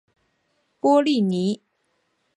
波利尼。